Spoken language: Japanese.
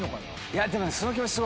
いやでもね。